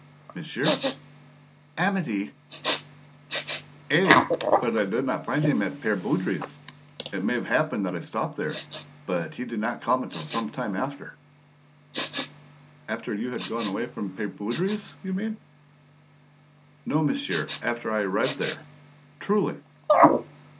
"Monsieur?" "Amedee!" "Eh, but I did not find him at Pere Baudry's! It may have happened that I stopped there, but he did not come until some time after." "After you had gone away from Pere Baudry's, you mean?" "No, monsieur; after I arrived there. Truly."